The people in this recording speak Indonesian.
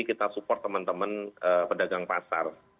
kita support teman teman pedagang pasar